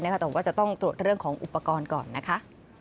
แต่ว่าจะต้องตรวจเรื่องของอุปกรณ์ก่อนนะคะ